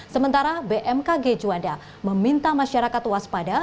sementara bmkg juanda meminta masyarakat waspada